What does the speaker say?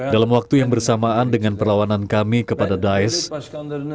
dalam waktu yang bersamaan dengan perlawanan kami kepada dies